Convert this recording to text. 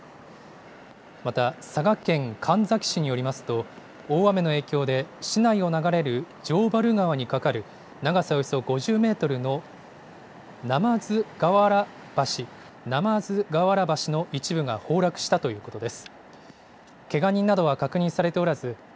また、佐賀県神埼市によりますと、大雨の影響で、市内を流れる城原川に架かる長さおよそ５０メートルの鯰河原橋、鯰河原橋の一部が崩落したということです。